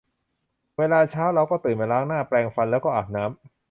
เวลาเช้าเราก็ตื่นมาล้างหน้า แปรงฟัน แล้วก็อาบน้ำ